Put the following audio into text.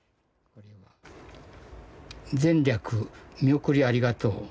「前略見送りありがとう。